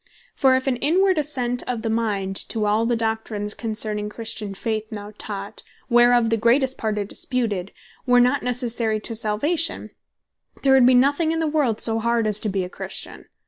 For if an inward assent of the mind to all the Doctrines concerning Christian Faith now taught, (whereof the greatest part are disputed,) were necessary to Salvation, there would be nothing in the world so hard, as to be a Christian.